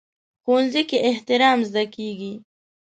ښوونځی کې احترام زده کېږي